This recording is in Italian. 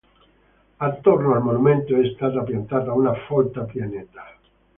Attorno al monumento è stata piantata una folta pineta.